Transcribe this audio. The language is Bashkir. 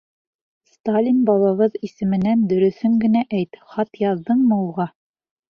Сталин бабабыҙ исеменән дөрөҫөн генә әйт, хат яҙҙыңмы уға?